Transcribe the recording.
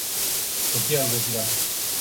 時は動き出す